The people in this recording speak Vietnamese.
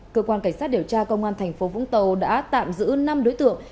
cơ quan cảnh sát điều tra công an thành phố vũng tàu đã tạm giữ năm đối tượng